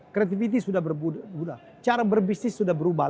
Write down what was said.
kreativitas sudah berubah cara berbisnis sudah berubah